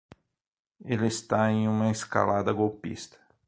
Ele está em uma escalada golpista